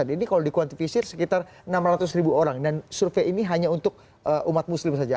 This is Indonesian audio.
ini kalau dikuantifisir sekitar enam ratus ribu orang dan survei ini hanya untuk umat muslim saja